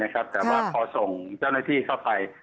แต่ว่าพอส่งเจ้าหน้าที่เข้าไป